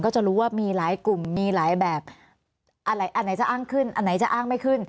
จะรู้ว่ามีหลายกลุ่มมีหลายแบบอันไหนจะอ้างขึ้นอันไหนจะอ้างไม่ขึ้น